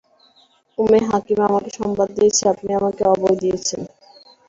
উম্মে হাকীম আমাকে সংবাদ দিয়েছে, আপনি আমাকে অভয় দিয়েছেন।